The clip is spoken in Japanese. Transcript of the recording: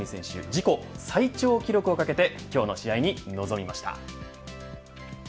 自己最長記録をかけて今日の試合に臨みました。